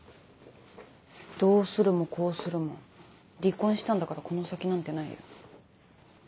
どうするもこうするも離婚したんだからこの先なんてないよ。